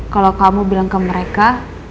kalau kamu bilang ke mereka